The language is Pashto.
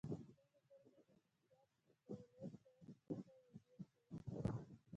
څنګه کولی شم د ټکټاک ډاونلوډ پرته ویډیو سیف کړم